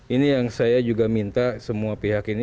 ini yang saya juga minta semua pihak ini